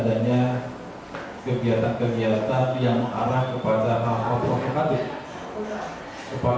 dalam hal ini tentu tidak boleh dihapus kalau kepolisian mengingatkan kepada masyarakat